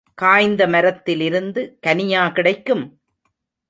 காய்ந்த மரத்திலிருந்து கனியா கிடைக்கும்?